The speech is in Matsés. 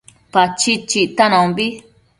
Pachid chictanombi